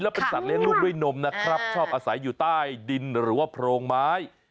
เป็นสัตว์เลี้ยลูกด้วยนมนะครับชอบอาศัยอยู่ใต้ดินหรือว่าโพรงไม้